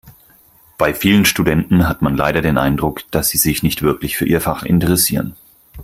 Bei vielen Studenten hat man leider den Eindruck, dass sie sich nicht wirklich für ihr Fach interessieren.